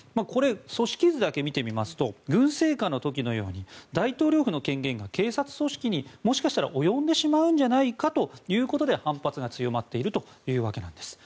組織図だけ見てみますと軍政下の時のように大統領府の権限が警察組織にもしかしたら及んでしまうんじゃないかということで反発が強まっているとわけです。